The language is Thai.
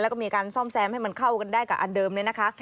แล้วก็มีการซ่อมแซมให้มันเข้ากันได้กับอันเดิมเนี่ยนะคะ